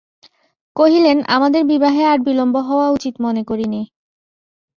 কহিলেন, আমাদের বিবাহে আর বিলম্ব হওয়া উচিত মনে করি নে।